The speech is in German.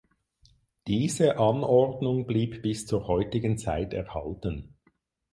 Diese Anordnung blieb bis zur heutigen Zeit erhalten.